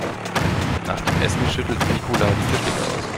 Nach dem Essen schüttelt Nicola die Tischdecke aus.